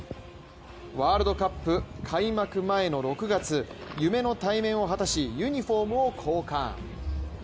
ワールドカップ開幕前の６月、夢の対面を果たし、ユニフォームを交換。